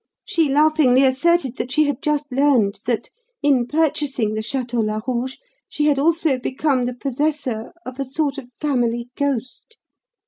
She laughingly asserted that she had just learned that, in purchasing the Château Larouge, she had also become the possessor of a sort of family ghost.